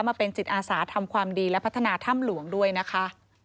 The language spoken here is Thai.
มาเป็นจิตอาสาทำความดีและพัฒนาถ้ำหลวงด้วยนะคะ